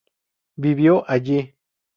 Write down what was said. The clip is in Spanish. Vivo allí.